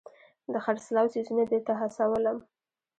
د خرڅلاو څیزونه دې ته هڅولم.